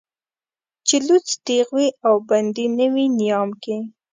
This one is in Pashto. چې لوڅ تېغ وي او بندي نه وي نيام کې